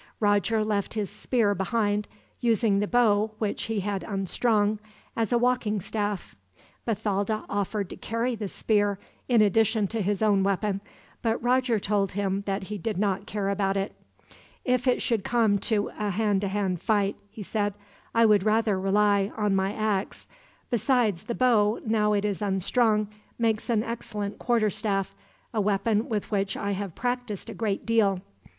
Roger left his spear behind; using the bow, which he had unstrung, as a walking staff. Bathalda offered to carry the spear, in addition to his own weapon, but Roger told him that he did not care about it. "If it should come to a hand to hand fight," he said, "I would rather rely on my ax. Besides, the bow, now it is unstrung, makes an excellent quarterstaff, a weapon with which I have practiced a great deal.